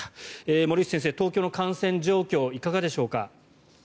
森内先生、東京の感染状況いかがでしょうか。